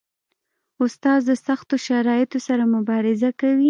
استاد د سختو شرایطو سره مبارزه کوي.